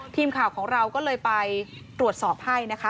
ทีมข่าวของเราก็เลยไปตรวจสอบให้นะคะ